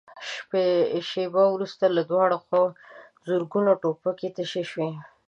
شېبه وروسته له دواړو خواوو زرګونه ټوپکې تشې شوې.